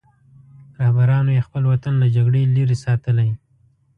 رهبرانو یې خپل وطن له جګړې لرې ساتلی.